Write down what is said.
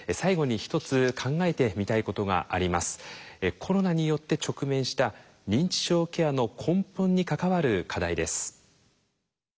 コロナによって直面した認知症ケアの根本に関わる課題です。